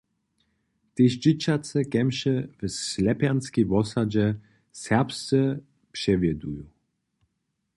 Tež dźěćace kemše w Slepjanskej wosadźe serbsce přewjeduju.